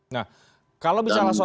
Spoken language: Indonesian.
nah kalau misalnya soal